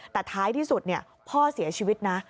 แต่ท้ายที่สุดพ่อเสียชีวิตนะ